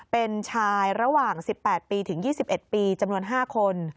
เป็นชายระหว่างสิบแปดปีถึงยี่สิบเอ็ดปีจำนวนห้าคน